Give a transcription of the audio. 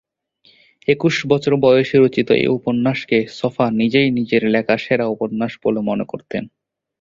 একুশ বছর বয়সে রচিত এ উপন্যাসকে ছফা নিজেই নিজের লেখা সেরা উপন্যাস বলে মনে করতেন।